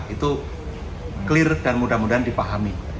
itu clear dan mudah mudahan dipahami